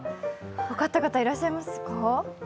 分かった方いらっしゃいますか。